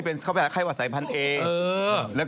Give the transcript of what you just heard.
เอเฝ้าไข้แล้ว